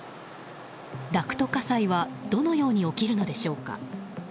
ダクト火災はどのように起きるのでしょうか。